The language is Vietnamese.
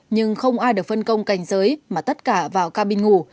nhưng không ai được phân công cảnh giới mà tất cả vào cabin ngủ